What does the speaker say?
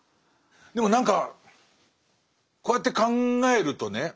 でも何かこうやって考えるとね